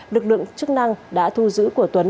được lượng chức năng đã thu giữ của tuấn